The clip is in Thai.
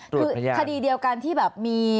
คือคดีเดียวกันที่แบบมี